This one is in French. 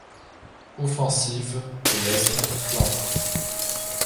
Offensive de L'Aisne...Flandres...